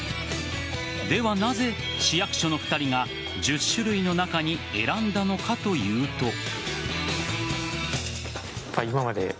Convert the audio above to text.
ではなぜ、市役所の２人が１０種類の中に選んだのかというと。